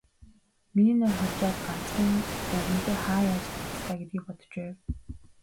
Миний нойр хулжаад, ганцхан, өвгөнтэй хаа яаж танилцлаа гэдгийг бодож байв.